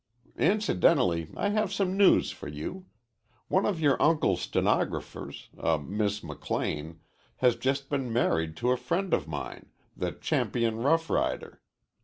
"Incidentally, I have some news for you. One of your uncle's stenographers, a Miss McLean, has just been married to a friend of mine, the champion rough rider.